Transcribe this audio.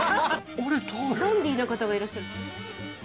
ダンディーな方がいらっしゃる。